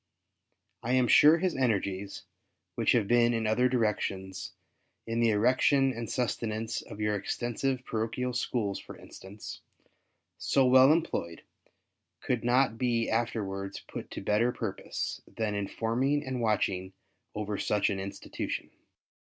I am sure his energies, which have been in other directions — in the erection and sustenance of your extensive Parochial Schools, for instance — so well employed, could not be afterwards put to better purpose than in forming and watching over such an institution.